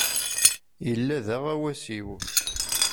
Yella d aɣawas-iw.